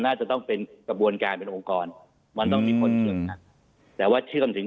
น่าจะต้องเป็นกระบวนการเป็นองค์กรมันต้องมีคนเชื่อมแต่ว่าเชื่อมถึง